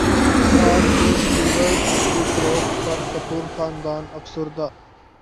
ار کے اسٹوڈیوز کی فروخت پر کپور خاندان افسردہ